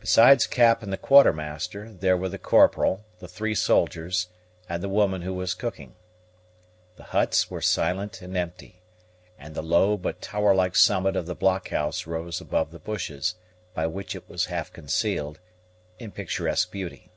Besides Cap and the Quartermaster, there were the Corporal, the three soldiers, and the woman who was cooking. The huts were silent and empty; and the low but tower like summit of the blockhouse rose above the bushes, by which it was half concealed, in picturesque beauty.